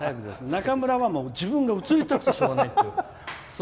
中村は自分が映りたくてしょうがない。